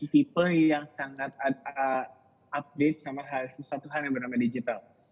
tipe yang sangat update sama sesuatu hal yang bernama digital